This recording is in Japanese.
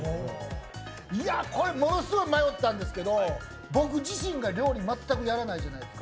いや、これ、ものすごい迷ったんですけど、僕自身が料理全くやらないじゃないですか。